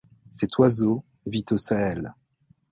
Cet oiseau vit au Sahel.